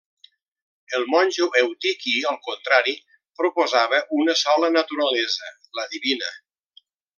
El monjo Eutiqui al contrari, proposava una sola naturalesa, la divina.